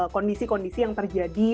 kondisi kondisi yang terjadi